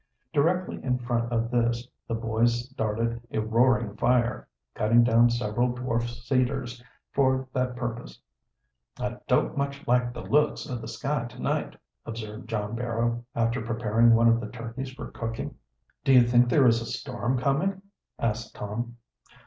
Directly in front of this the boys started a roaring fire, cutting down several dwarf cedars for that purpose. "I don't much like the looks o' the sky to night," observed John Barrow, after preparing one of the turkeys for cooking. "Do you think there is a storm coming?" asked Tom.